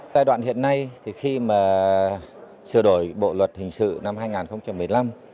giai đoạn hiện nay thì khi mà sửa đổi bộ luật hình sự năm hai nghìn một mươi năm